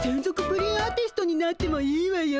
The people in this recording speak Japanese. プリンアーティストになってもいいわよ。